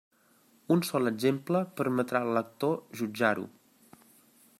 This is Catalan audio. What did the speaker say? Un sol exemple permetrà al lector jutjar-ho.